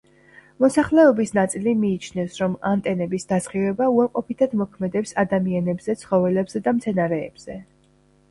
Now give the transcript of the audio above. მოსახლეობის ნაწილი მიიჩნევს, რომ ანტენების დასხივება უარყოფითად მოქმედებს ადამიანებზე, ცხოველებზე და მცენარეებზე.